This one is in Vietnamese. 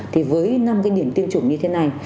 thì với năm cái điểm tiêm chủng như thế này